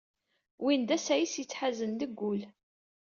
Win d asayes yettḥazen deg wul.